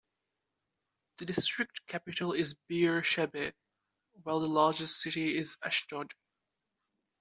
The district capital is Beersheba, while the largest city is Ashdod.